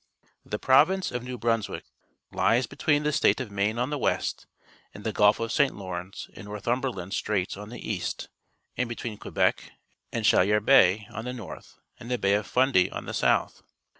— The Prov ince of Xeiv Brunswick lies between the State of Maine on the west and the Gulf of St. Lawrence and N orthumherland Strait on the east, and between Quebec and Chaleur Bay on the north and the Bay of Fundy on the south.